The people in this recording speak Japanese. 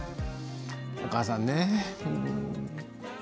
お母さんね。